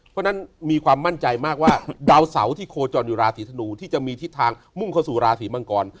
เพราะฉะนั้นมีความมั่นใจมากว่าดาวเสาที่โคจรอยู่ราศีธนูที่จะมีทิศทางมุ่งเข้าสู่ราศีมังกร